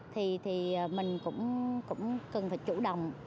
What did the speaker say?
thì mình cũng cần phải chủ động